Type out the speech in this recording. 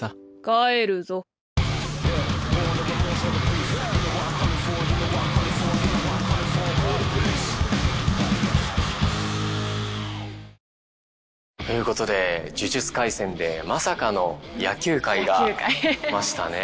帰るぞ。ということで「呪術廻戦」でまさかの野球回が来ましたね。